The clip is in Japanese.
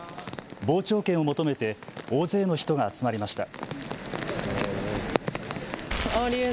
傍聴券を求めて大勢の人が集まりました。